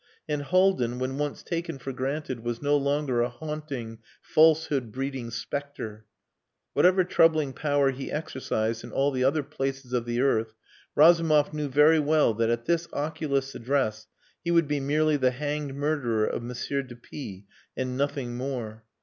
And Haldin, when once taken for granted, was no longer a haunting, falsehood breeding spectre. Whatever troubling power he exercised in all the other places of the earth, Razumov knew very well that at this oculist's address he would be merely the hanged murderer of M. de P and nothing more.